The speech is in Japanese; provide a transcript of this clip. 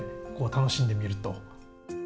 楽しんでみると。